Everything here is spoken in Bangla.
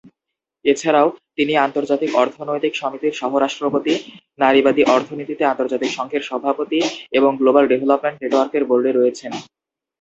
এছাড়াও, তিনি আন্তর্জাতিক অর্থনৈতিক সমিতির সহ-রাষ্ট্রপতি, নারীবাদী অর্থনীতিতে আন্তর্জাতিক সংঘের সভাপতি, এবং গ্লোবাল ডেভলপমেন্ট নেটওয়ার্কের বোর্ডে রয়েছেন।